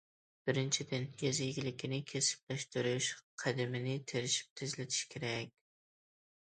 بىرىنچىدىن، يېزا ئىگىلىكىنى كەسىپلەشتۈرۈش قەدىمىنى تىرىشىپ تېزلىتىش كېرەك.